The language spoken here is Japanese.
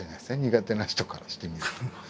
苦手な人からしてみると。